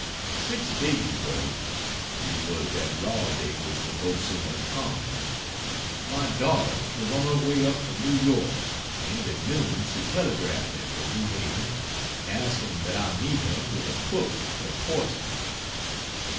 Six days ago it was that raw day which provoked so much comment my daughter was on her way up from New York, and at noon she telegraphed me from New Haven asking that I meet her with a cloak at Portsmouth.